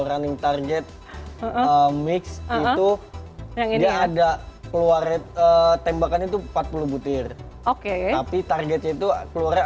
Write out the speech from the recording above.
running target mix itu dia ada keluar tembakan itu empat puluh butir oke tapi targetnya itu keluarnya